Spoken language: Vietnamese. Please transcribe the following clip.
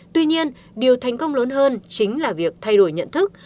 tuy nhiên điều thành công lớn hơn chính là việc thay đổi nhận thức